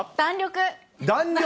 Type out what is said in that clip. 弾力。